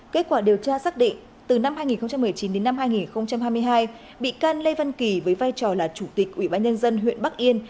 kết quả điều tra xác định từ năm hai nghìn một mươi chín đến năm hai nghìn hai mươi hai bị can lê văn kỳ với vai trò là chủ tịch ủy ban nhân dân huyện bắc yên